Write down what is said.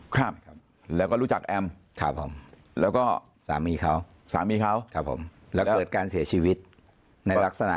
ถามแล้วค่ะจะคอนเฟิร์มว่าไม่ใช่แล้วก็ไม่ได้ทำด้วย